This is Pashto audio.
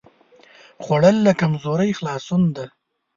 خوړل له کمزورۍ خلاصون دی